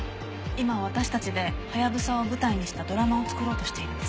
今私たちでハヤブサを舞台にしたドラマを作ろうとしているんです。